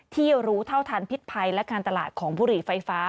รู้เท่าทันพิษภัยและการตลาดของบุหรี่ไฟฟ้า